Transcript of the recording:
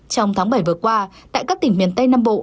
trong tháng bảy vừa qua tại các tỉnh miền tây nam bộ